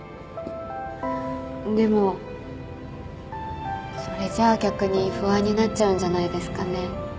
でもそれじゃあ逆に不安になっちゃうんじゃないですかね？